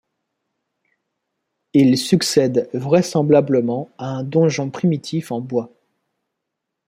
Il succède vraisemblablement à un donjon primitif en bois.